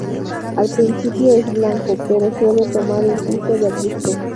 Al principio es blanco, pero suele tomar un tinte verduzco.